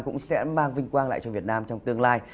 cũng sẽ mang vinh quang lại cho việt nam trong tương lai